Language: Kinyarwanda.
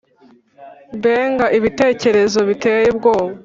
mbega ibitekerezo biteye ubwoba,